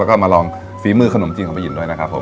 แล้วก็มาลองฝีมือขนมจีนของพี่อินด้วยนะครับผม